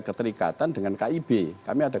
keterikatan dengan kib kami ada